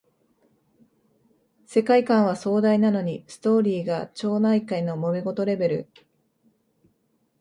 世界観は壮大なのにストーリーが町内会のもめ事レベル